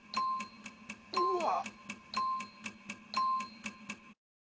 うわっ。